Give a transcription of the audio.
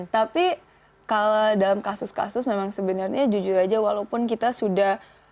tapi kalau dalam kasus kasus memang sebenarnya jujur aja walaupun kita sudah